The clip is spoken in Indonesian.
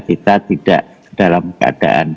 kita tidak dalam keadaan